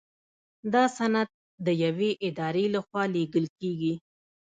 دا سند د یوې ادارې لخوا لیږل کیږي.